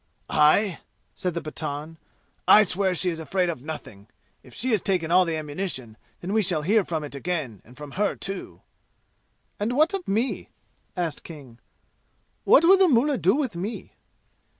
"I?" said the Pathan. "I swear she is afraid of nothing. If she has taken all the ammunition, then we shall hear from it again and from her too!" "And what of me?" asked King. "What will the mullah do with me?"